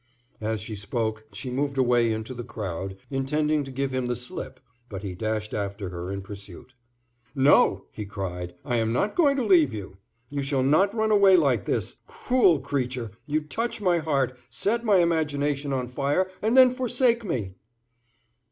As she spoke, she moved away into the crowd, intending to give him the slip, but he dashed after her in pursuit. "No," he cried, "I am not going to leave you. You shall not run away like this. Cruel creature, you touch my heart, set my imagination on fire and then forsake me."